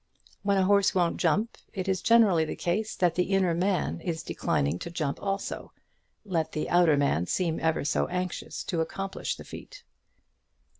When a horse won't jump it is generally the case that the inner man is declining to jump also, let the outer man seem ever so anxious to accomplish the feat.